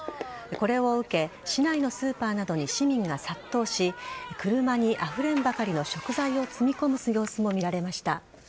これを受け市内のスーパーなどに市民が殺到し車にあふれんばかりの食材を積み込む様子も見られました。